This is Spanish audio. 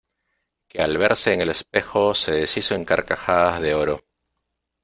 que al verse en el espejo se deshizo en carcajadas de oro.